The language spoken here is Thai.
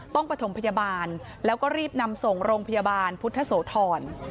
ประถมพยาบาลแล้วก็รีบนำส่งโรงพยาบาลพุทธโสธร